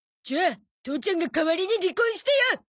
じゃあ父ちゃんが代わりに離婚してよ。